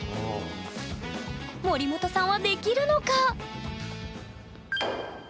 森本さんはできるのか？